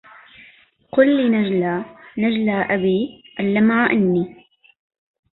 قل لنجلا نجلا أبي اللمع إني